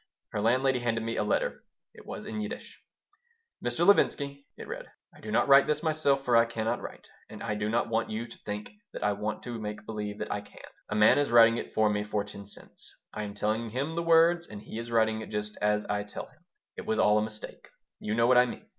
Her landlady handed me a letter. It was in Yiddish: Mr. Levinsky [it read], I do not write this myself, for I cannot write, and I do not want you to think that I want to make believe that I can. A man is writing it for me for ten cents. I am telling him the words and he is writing just as I tell him. It was all a mistake. You know what I mean.